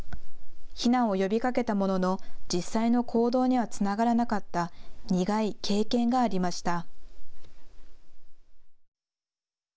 避難を呼びかけたものの実際の行動にはつながらなかった苦い経験がありました。